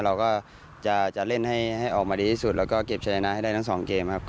เราก็จะเล่นให้ออกมาดีที่สุดแล้วก็เก็บชนะให้ได้ทั้งสองเกมครับ